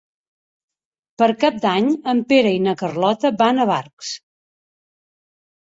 Per Cap d'Any en Pere i na Carlota van a Barx.